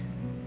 tengah ke atas